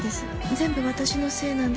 全部私のせいなんです。